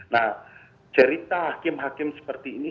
nah cerita hakim hakim seperti ini